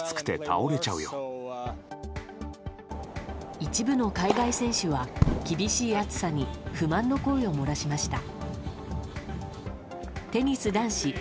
一部の海外選手は厳しい暑さに不満の声をもらしました。